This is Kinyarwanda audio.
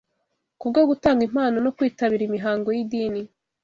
Ku bwo gutanga impano no kwitabira imihango y’idini